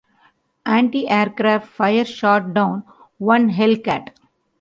Antiaircraft fire shot down one Hellcat.